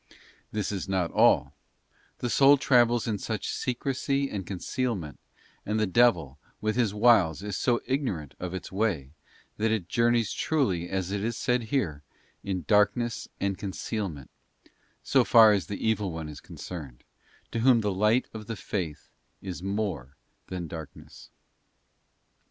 This is not all: the soul travels in such secrecy and con cealment, and the devil with his wiles is so ignorant of its way, that it journeys truly, as it is here said, 'in darkness and concealment,' so far as the evil one is concerned, to whom the light of the faith is more than darkness.